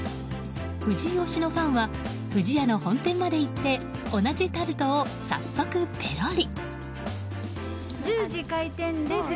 藤井推しのファンは不二家の本店まで行って同じタルトを早速ペロリ。